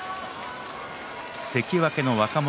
関脇の若元